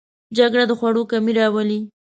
جګړه د خوړو کمی راولي